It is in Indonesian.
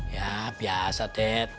ya biasa dad